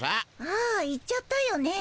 ああ言っちゃったよね。